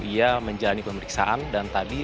ia menjalani pemeriksaan dan tadi